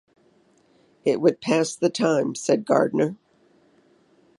“It would pass the time,” said Gardner.